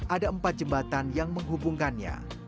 ada empat jembatan yang menghubungkannya